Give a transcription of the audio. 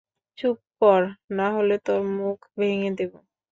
চুপ কর, নাহলে তোর মুখ ভেঙে দেবো।